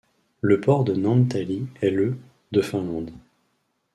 Le port de Naantali est le de Finlande.